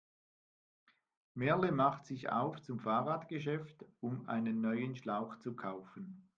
Merle macht sich auf zum Fahrradgeschäft, um einen neuen Schlauch zu kaufen.